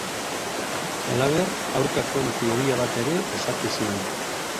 Halaber, aurkakoen teoria bat ere osatu zuen.